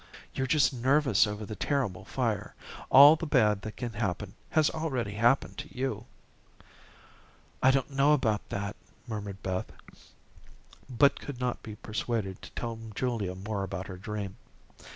"You're just nervous over the terrible fire. All the bad that can happen has already happened to you." "I don't know about that," murmured Beth, but could not be persuaded to tell Julia more about her dream.